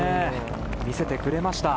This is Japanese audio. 見せてくれました。